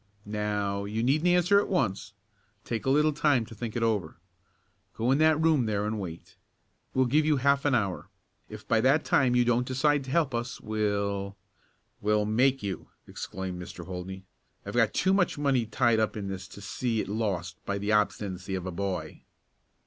Now, you needn't answer at once. Take a little time to think it over. Go in that room there and wait. We'll give you half an hour. If by that time you don't decide to help us we'll " "We'll make you!" exclaimed Mr. Holdney. "I've got too much money tied up in this to see it lost by the obstinacy of a boy."